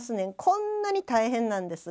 こんなに大変なんです。